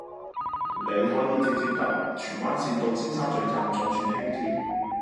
你可以直接搭荃灣綫到尖沙咀站再轉輕鐵